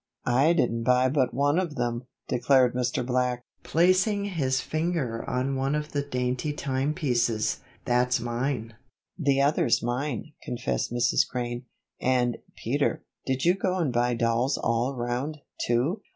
"I didn't buy but one of them," declared Mr. Black, placing his finger on one of the dainty timepieces. "That's mine." "The other's mine," confessed Mrs. Crane. "And, Peter, did you go and buy dolls all around, too?"